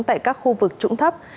tại các khu vực trũng thấp